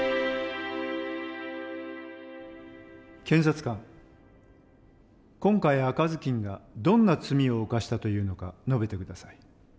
検察官今回赤ずきんがどんな罪を犯したというのか述べて下さい。